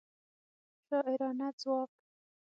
شاعرانه ځواک